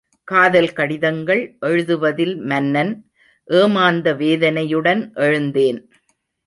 காதல் கடிதங்கள் எழுதுவதில் மன்னன். ஏமாந்த வேதனையுடன் எழுந்தேன்.